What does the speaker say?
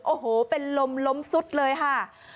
โอ้โหเป็นลมล้มซุดเลยค่ะ